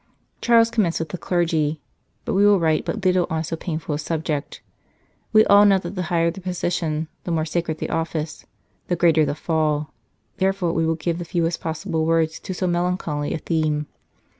Charles commenced with the clergy, but we will write but little on so painful a subject. We all know that the higher the position, the more sacred the office, the greater the fall ; therefore we will give the fewest possible words to so melancholy a theme.